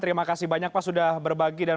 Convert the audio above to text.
terima kasih banyak pak sudah berbagi dan